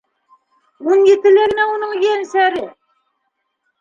Ун етелә генә уның ейәнсәре!